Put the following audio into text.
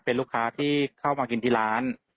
เป็นลูกค้าที่เข้ามากินที่ร้าน